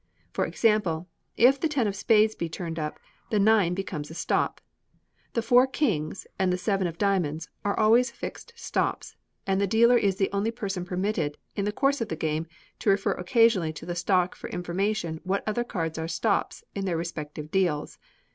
For example, if the ten of spades be turned up, the nine becomes a stop. The four kings, and the seven of diamonds, are always fixed stops, and the dealer is the only person permitted, in the course of the game, to refer occasionally to the stock for information what other cards are stops in their respective deals.